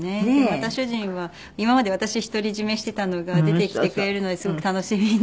また主人は今まで私一人占めしていたのが出てきてくれるのですごく楽しみに。